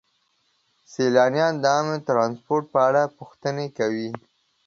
سیلانیان د عامه ترانسپورت په اړه پوښتنې کوي.